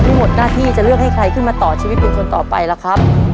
ทั้งหมดหน้าที่จะเลือกให้ใครขึ้นมาต่อชีวิตเป็นคนต่อไปล่ะครับ